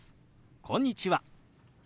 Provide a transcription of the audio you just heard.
「こんにちは」。